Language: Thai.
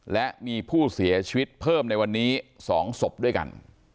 และมีผู้เสียชีวิตเพิ่มในวันนี้๒ศพด้วยกัน